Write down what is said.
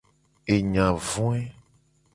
Enya voe.